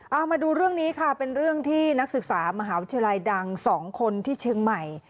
เอามาดูเรื่องนี้ค่ะเป็นเรื่องที่นักศึกษามหาวิทยาลัยดัง๒คนที่เชียงใหม่